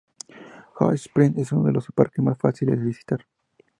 Hot Springs es uno de los parques más fáciles de visitar.